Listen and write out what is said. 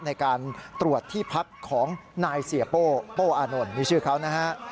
ในการตรวจที่พักของนายเสียโป้โป้อานนท์นี่ชื่อเขานะฮะ